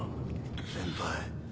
先輩。